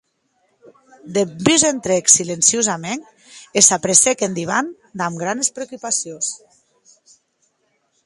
Dempús entrèc silenciosaments e s’apressèc en divan damb granes precaucions.